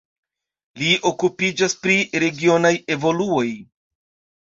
Li okupiĝas pri regionaj evoluoj.